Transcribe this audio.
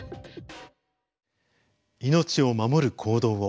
命を守る行動を。